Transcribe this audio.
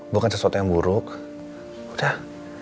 bukan sesuatu yang buruk udah